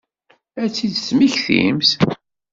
Ad tt-id-temmektimt?